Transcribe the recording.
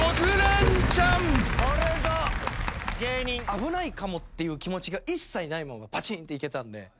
危ないかもっていう気持ちが一切ないままぱちんっていけたんで。